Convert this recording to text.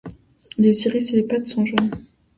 Les iris et les pattes sont jaunes.